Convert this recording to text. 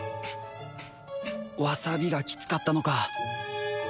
わさびがきつかったのか！